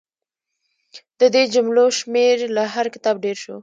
د دې جملو شمېر له هر کتاب ډېر شو.